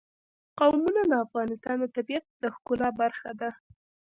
قومونه د افغانستان د طبیعت د ښکلا برخه ده.